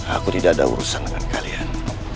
aku tidak ada urusan dengan kalian